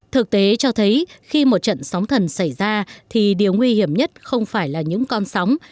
thực tế cho thấy khi một trận sóng thần xảy ra thì điều nguy hiểm nhất không phải là những con sóng